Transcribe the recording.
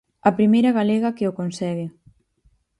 A primeira galega que o consegue.